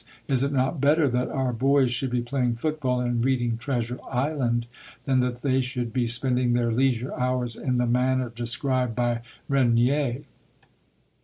Is it not better that our boys should be playing football and reading Treasure Island, than that they should be spending their leisure hours in the manner described by Regnier?